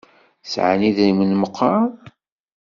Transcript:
Sɛan idrimen meqqar?